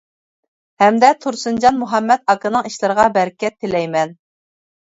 ھەمدە تۇرسۇنجان مۇھەممەت ئاكىنىڭ ئىشلىرىغا بەرىكەت تىلەيمەن.